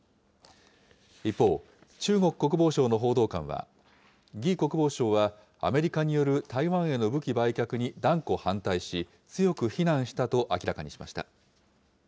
一方、中国国防省の報道官は、魏国防相は、アメリカによる台湾への武器売却に断固反対し、強く非難したと明らかにしました。